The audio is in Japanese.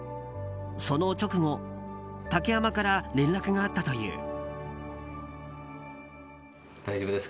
その直後竹山から連絡があったという。